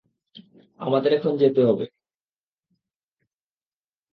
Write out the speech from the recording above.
আমাদের এখন যেতে হবে।